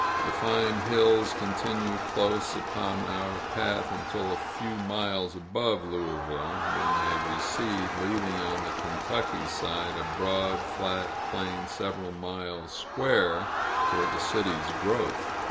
The fine hills continue close upon our path until a few miles above Louisville, when they recede, leaving on the Kentucky side a broad, flat plain several miles square, for the city's growth.